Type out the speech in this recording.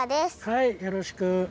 はいよろしく。